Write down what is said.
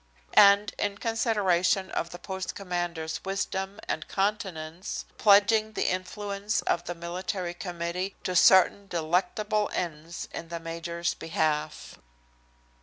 and, in consideration of the post commander's wisdom and continence, pledging the influence of the Military Committee to certain delectable ends in the major's behalf?